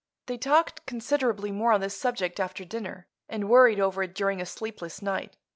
They talked considerably more on this subject after dinner, and worried over it during a sleepless night.